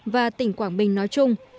và tỉnh quảng bình nói chung